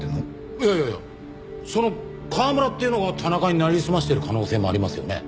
いやいやいやその河村っていうのが田中になりすましてる可能性もありますよね。